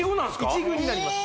一軍になります